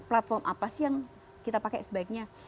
platform apa sih yang kita pakai sebaiknya